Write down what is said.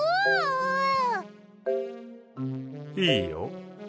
いいよ。